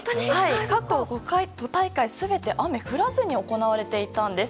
過去５大会全て雨は降らずに行われていたんです。